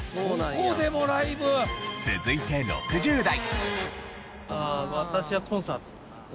続いて６０代。